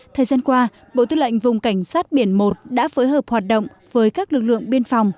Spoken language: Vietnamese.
thời gian qua bộ tư lệnh vùng cảnh sát biển một đã phối hợp hoạt động với các lực lượng biên phòng